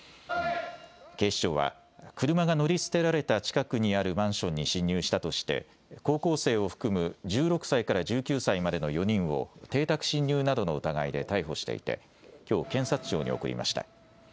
警視庁は、車が乗り捨てられた近くにあるマンションに侵入したとして、高校生を含む１６歳から１９歳までの４人を、邸宅侵入などの疑いで逮捕していて、きょう、検察庁に送りました。